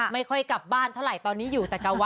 ไม่ค่อยกลับบ้านเท่าไหร่ตอนนี้อยู่แต่กะวะ